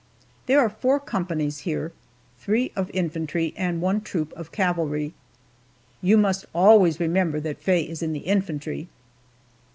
There are four companies here three of infantry and one troop of cavalry. You must always remember that Faye is in the infantry.